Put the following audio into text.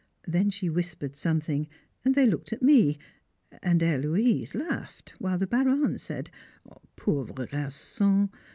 Then she whispered something, and they looked at me, and Héloise laughed, while the Baronne said, "Pauvre garçon.